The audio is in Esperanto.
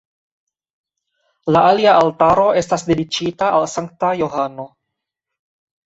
La alia altaro estas dediĉita al Sankta Johano.